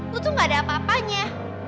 gue tuh gak ada apa apanya